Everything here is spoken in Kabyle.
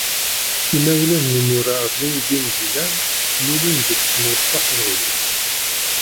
Imawlan n umurar Zineddine Zidane lulen-d deg Tmurt Taqbaylit.